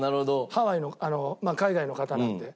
ハワイの海外の方なので。